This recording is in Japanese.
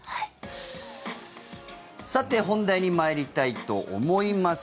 さて、本題に参りたいと思います。